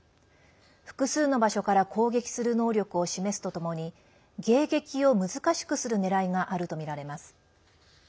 複数の場所から攻撃する能力を示すとともに迎撃を難しくするねらいがあるとみられます。